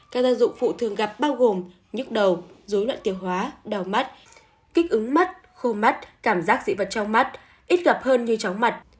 các gia dụng phụ thường gặp bao gồm nhức đầu dối loạn tiêu hóa đau mắt kích ứng mắt khô mắt cảm giác dị vật trong mắt ít gặp hơn như chóng mặt